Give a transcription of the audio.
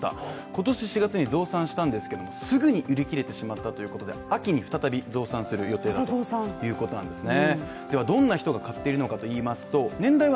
今年４月に増産したんですけども、すぐに売り切れてしまったということで、秋に再び増産する予定だということなんですね。